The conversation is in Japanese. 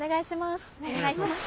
お願いします。